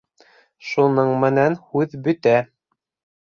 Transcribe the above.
Шуның менән һүҙ бөтә.